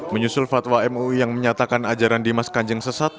menyusul fatwa mui yang menyatakan ajaran dimas kanjeng sesat